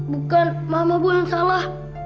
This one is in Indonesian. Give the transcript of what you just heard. bukan mama bu yang salah